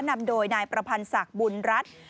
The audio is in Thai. นำโดยนายประพันธ์ศักดิ์บุญรัฐ